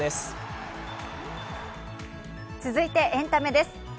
続いてエンタメです。